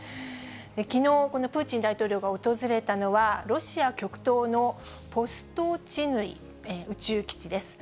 きのう、このプーチン大統領が訪れたのは、ロシア極東のボストーチヌイ宇宙基地です。